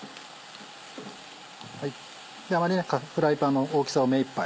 あまりねフライパンの大きさを目いっぱい。